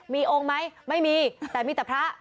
มีองค์ไหมไม่มีแต่มีแต่พระ